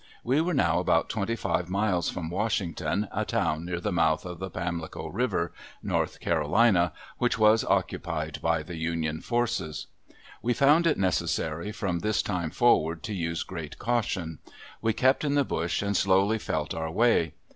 We were now about twenty five miles from Washington, a town near the mouth of the Pamlico River, North Carolina, which was occupied by the Union forces. We found it necessary from this time forward to use great caution. We kept in the brush and slowly felt our way.